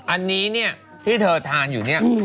อันนี้เนี่ยที่เธอทานอยู่เนี่ย